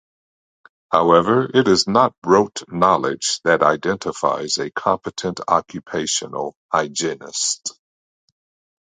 However, it is not rote knowledge that identifies a competent occupational hygienist.